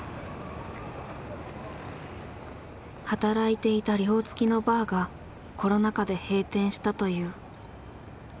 働いていた寮つきのバーがコロナ禍で閉店したという。